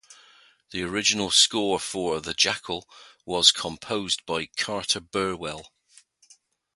The original score for "The Jackal" was composed by Carter Burwell.